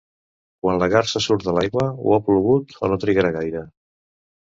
Quan la garsa surt de l'aigua, o ha plogut o no trigarà gaire.